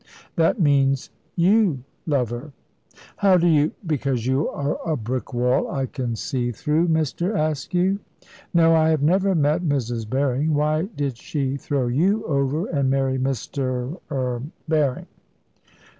"That means, you love her." "How do you ?" "Because you are a brick wall I can see through, Mr. Askew. No; I have never met Mrs. Berring. Why did she throw you over and marry Mr. er Berring?"